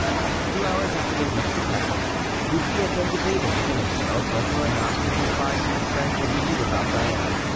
Two hours after they reached the castle. Bussy had been debating within himself whether or not to confide to his friends what he knew about Diana.